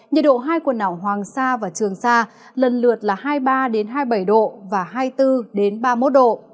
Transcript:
nhiệt độ hai quần đảo hoàng sa và trường sa lần lượt là hai mươi ba hai mươi bảy độ và hai mươi bốn ba mươi một độ